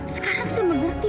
sekarang saya mengerti